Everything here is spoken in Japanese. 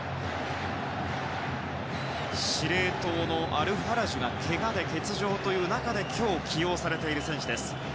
司令塔のアルファラジュがけがで欠場という中で今日、起用されている選手です。